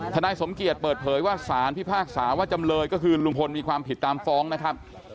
นายสมเกียจเปิดเผยว่าสารพิพากษาว่าจำเลยก็คือลุงพลมีความผิดตามฟ้องนะครับ